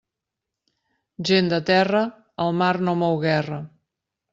Gent de terra, al mar no mou guerra.